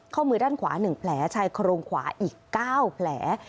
ข้อมือด้านขวา๑แผลชายโครงขวาอีก๙แผล